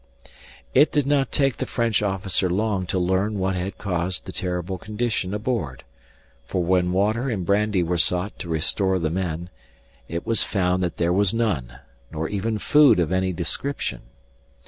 It did not take the French officer long to learn what had caused the terrible condition aboard; for when water and brandy were sought to restore the men, it was found that there was none, nor even food of any description.